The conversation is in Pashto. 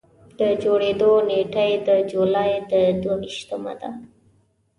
د جوړېدو نېټه یې د جولایي د دوه ویشتمه ده.